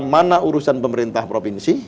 mana urusan pemerintah provinsi